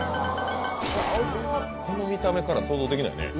この見た目から想像できないね